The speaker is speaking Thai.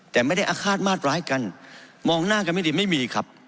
แต่ไม่ได้อาฆาตมาดร้ายกันมองหน้ากันไม่ดีไม่มีครับ